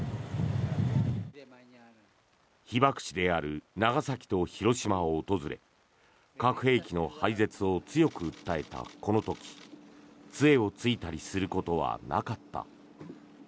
被爆地である長崎と広島を訪れ核兵器の廃絶を強く訴えたこの時杖をついたりすることはなかった。